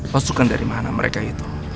pasukan dari mana mereka itu